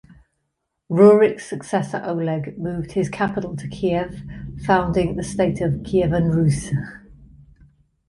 Rurik's successor Oleg moved his capital to Kiev, founding the state of Kievan Rus'.